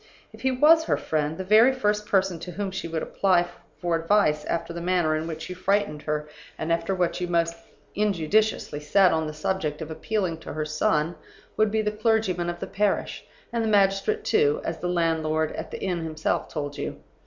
If he was her friend, the very first person to whom she would apply for advice after the manner in which you frightened her, and after what you most injudiciously said on the subject of appealing to her son, would be the clergyman of the parish and the magistrate, too, as the landlord at the inn himself told you.